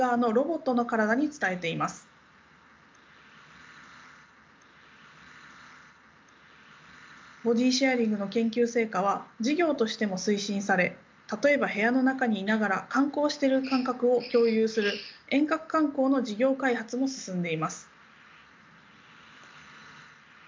ボディシェアリングの研究成果は事業としても推進され例えば部屋の中にいながら観光してる感覚を共有する遠隔観光の事業開発も進んでいます。